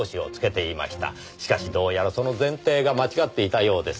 しかしどうやらその前提が間違っていたようです。